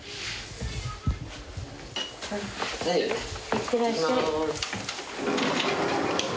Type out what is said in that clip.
いってらっしゃい。